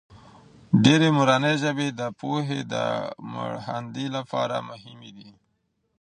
ډېرې مورنۍ ژبې د پوهې د مړخاندې لپاره مهمې دي.